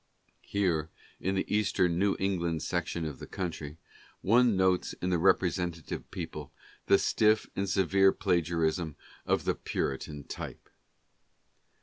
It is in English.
Here in the eastern New England section of the country, one notes in the representative people, the stiff and severe pharisaism of the Puritan type.